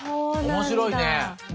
面白いね。